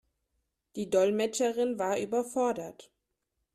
Die Dolmetscherin war überfordert.